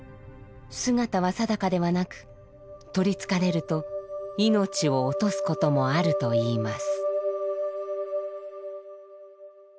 姿は定かではなく取りつかれると命を落とすこともあるといいます。